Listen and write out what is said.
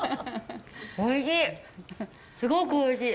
おいしい！